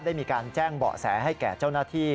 ได้มีการแจ้งเบาะแสให้แก่เจ้าหน้าที่